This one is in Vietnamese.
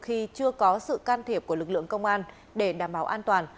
khi chưa có sự can thiệp của lực lượng công an để đảm bảo an toàn